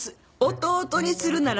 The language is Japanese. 「弟にするなら誰？」